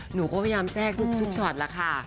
หนูก็พยายามแทรกทุกช็อตแล้วค่ะ